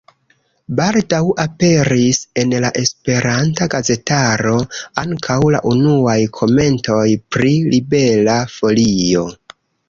Baldaŭ aperis en la esperanta gazetaro ankaŭ la unuaj komentoj pri Libera Folio.